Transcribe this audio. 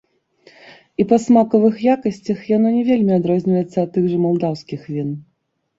І па смакавых якасцях яно не вельмі адрозніваецца ад тых жа малдаўскіх він.